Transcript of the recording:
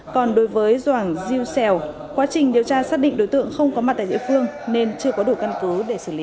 còn đối với doàng diêu xèo quá trình điều tra xác định đối tượng không có mặt tại địa phương nên chưa có đủ căn cứ để xử lý